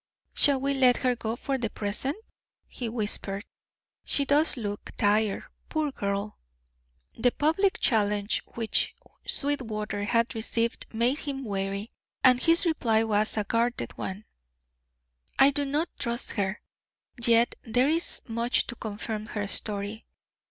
"Shall we let her go for the present?" he whispered. "She does look tired, poor girl." The public challenge which Sweetwater had received made him wary, and his reply was a guarded one: "I do not trust her, yet there is much to confirm her story.